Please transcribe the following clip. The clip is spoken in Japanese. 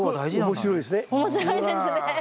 面白いですね。